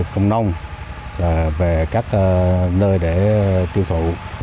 công nông về các nơi để tiêu thụ